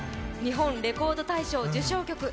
日本レコード大賞受賞曲